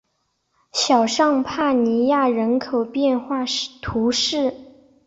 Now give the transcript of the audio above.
小尚帕尼亚人口变化图示